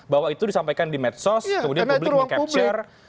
bahwa itu disampaikan di medsos kemudian publik meng capture